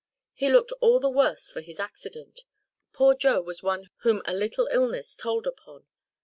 He looked all the worse for his accident. Poor Joe was one whom a little illness told upon.